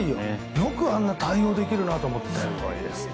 よく、あんな対応できるなと思って。